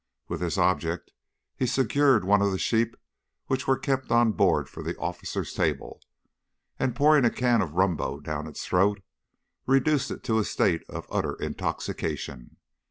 With this object he secured one of the sheep which were kept on board for the officers' table, and pouring a can of rumbo down its throat, reduced it to a state of utter intoxication.